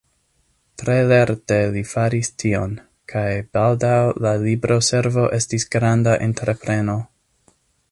Tre lerte li faris tion, kaj baldaŭ la libro-servo estis granda entrepreno.